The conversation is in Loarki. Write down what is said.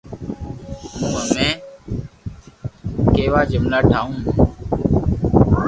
ھون ھمو ڪيوا جملا ٺاھو